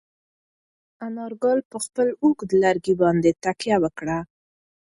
انارګل په خپل اوږد لرګي باندې تکیه وکړه.